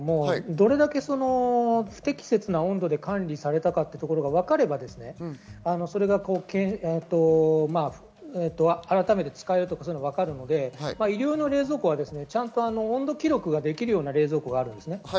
どれだけ不適切な温度で管理されたかということが分かれば改めて使えるというのが分かるので、医療用の冷蔵庫は温度記録ができるような冷蔵庫があります。